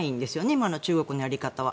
今の中国のやり方は。